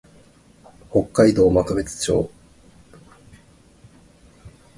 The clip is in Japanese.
北海道幕別町